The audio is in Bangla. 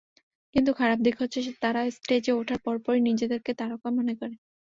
কিন্তু খারাপ দিক হচ্ছে, তাঁরা স্টেজে ওঠার পরপরই নিজেদের তারকা মনে করে।